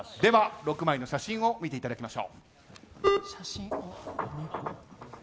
６枚の写真を見ていただきます。